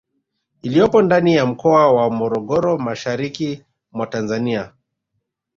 Iliyopo ndani ya Mkoa wa Morogoro mashariki mwa Tanzania